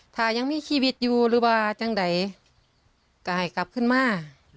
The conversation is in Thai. ถ้ายังมีชีวิตอยู่หรือว่าจัง๊ด่ะยไกลทำมา